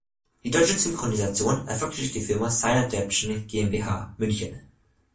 Die deutsche Synchronisation erfolgte durch die Firma Cine Adaption GmbH, München.